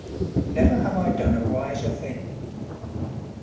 Never have I done a wiser thing.